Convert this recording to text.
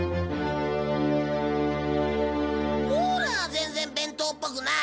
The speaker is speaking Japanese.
全然弁当っぽくない。